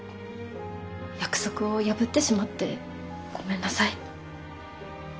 約束を破ってしまってごめんなさい。